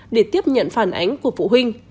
để tiếp nhận phản ánh của phụ huynh